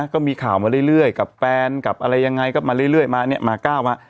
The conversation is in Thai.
ก็มีข่าวมาเรื่อยกับแฟนกับอะไรยังไงก็มาเรื่อยมาเนี่ยมาก้าวมา